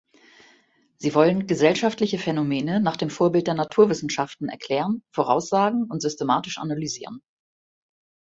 Sie wollen gesellschaftliche Phänomene nach dem Vorbild der Naturwissenschaften erklären, voraussagen und systematisch analysieren.